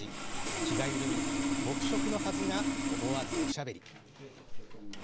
気が緩み、黙食のはずが思わずおしゃべり。